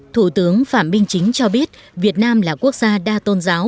thủ tướng phạm minh chính cho biết việt nam là quốc gia đa tôn giáo